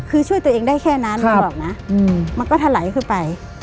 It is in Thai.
คือช่วยตัวเองได้แค่นั้นมันก็ถลายขึ้นไป